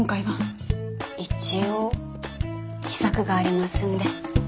一応秘策がありますんで。